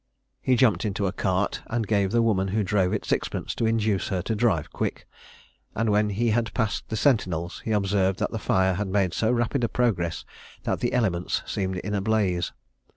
He jumped into a cart, and gave the woman who drove it sixpence to induce her to drive quick; and when he had passed the sentinels, he observed that the fire had made so rapid a progress that the elements seemed in a blaze.